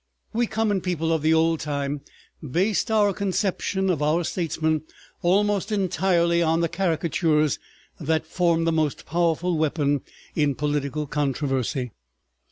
We common people of the old time based our conception of our statesmen almost entirely on the caricatures that formed the most powerful weapon in political controversy.